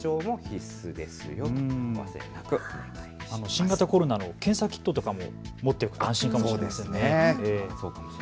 新型コロナの検査キットとかも持って行くと安心かもしれませんね。